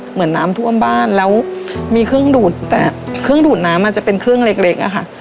เหมือนน้ำท่วมบ้านแล้วมีเครื่องดูดแต่เครื่องดูดน้ำอาจจะเป็นเครื่องเล็กอะค่ะ